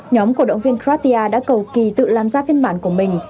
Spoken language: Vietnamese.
nhóm cổ động viên kratia đã cầu kỳ tự làm ra phiên bản của mình